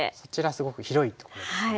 すごく広いとこですよね。